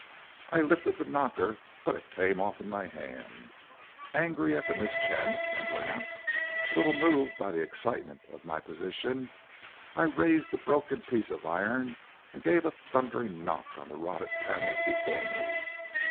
"I lifted the knocker, but it came off in my hand. Angry at the mischance, and perhaps a little moved by the excitement of my position, I raised the broken piece of iron and gave a thundering knock on the rotten panels before me.